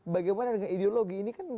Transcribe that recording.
bagaimana dengan ideologi ini kan